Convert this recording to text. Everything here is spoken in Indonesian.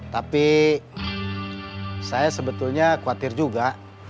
tapi saya sebetulnya khawatir juga